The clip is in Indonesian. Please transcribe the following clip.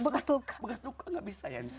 bekas luka gak bisa ya